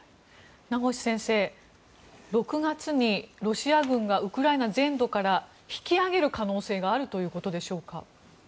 名越先生、６月にロシア軍がウクライナ全土から引き揚げる可能性があるということでしょうか？